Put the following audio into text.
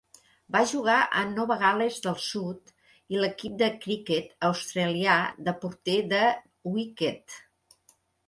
Va jugar amb Nova Gal·les del Sud i l'equip de criquet australià de porter de wícket.